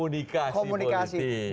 nah komunikasi politik